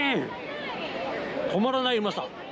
止まらないうまさ。